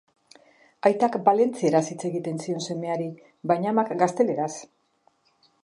Aitak valentzieraz hitz egiten zion semeari baina amak gazteleraz.